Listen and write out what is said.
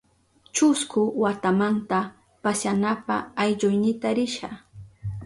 Chusku watamanta pasyanapa aylluynita risha.